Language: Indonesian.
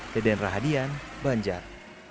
deden rahadian banjar